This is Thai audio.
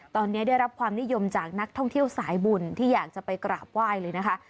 ตอนนี้ได้รับความนิยมจากนักท่องเที่ยวสายบุญที่อยากจะไปกราบไหว้เลยนะคะ